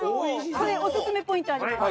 これお薦めポイントあります。